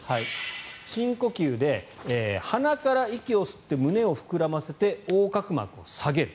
深呼吸で鼻から息を吸って胸を膨らませて横隔膜を下げる。